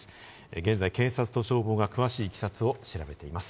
現在、警察と消防が詳しいいきさつを調べています。